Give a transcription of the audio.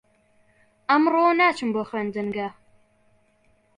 ئەمڕۆ ناچم بۆ خوێندنگە.